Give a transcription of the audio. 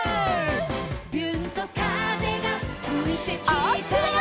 「びゅーんと風がふいてきたよ」